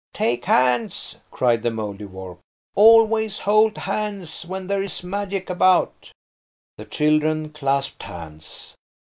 "Take hands," cried the Mouldiwarp. "Always hold hands when there is magic about." The children clasped hands.